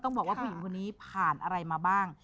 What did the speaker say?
บอกว่าผู้หญิงคนนี้ผ่านอะไรมาบ้าง